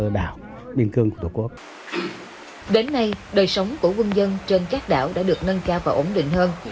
đến nay đời sống của quân dân trên các đảo đã được nâng cao và ổn định hơn